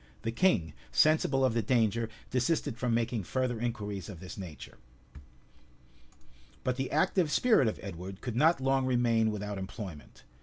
The king, sensible of the danger, desisted from making further inquiries of this nature. {1276.} But the active spirit of Edward could not long remain without employment.